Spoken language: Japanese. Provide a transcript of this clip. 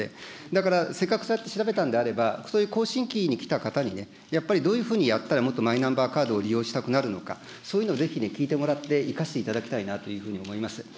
だから、せっかくそうやって調べたんであれば、そういう更新期にきた方に、やっぱりどういうふうにやったらもっとマイナンバーカードを利用したくなるのか、そういうのをぜひね、聞いてもらって、生かしていただきたいなと思います。